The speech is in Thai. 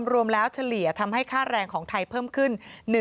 รวมแล้วเฉลี่ยทำให้ค่าแรงของไทยเพิ่มขึ้น